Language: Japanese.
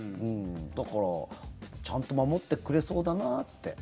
だから、ちゃんと守ってくれそうだなって。